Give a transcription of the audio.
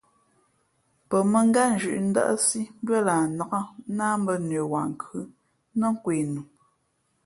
Pαmᾱngátnzhʉ̌ʼ ndάʼsí mbʉ́ά lah nnák nāh mbᾱ nəwaankhʉ̌ nά kwe nu.